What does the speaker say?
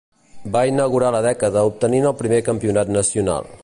Va inaugurar la dècada obtenint el primer campionat nacional.